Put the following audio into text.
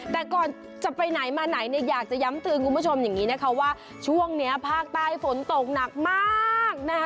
แต่ก่อนจะไปไหนมาไหนเนี่ยอยากจะย้ำเตือนคุณผู้ชมอย่างนี้นะคะว่าช่วงนี้ภาคใต้ฝนตกหนักมากนะคะ